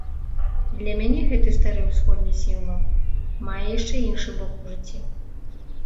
Для мяне гэты стары ўсходні сімвал мае яшчэ іншы бок у жыцці.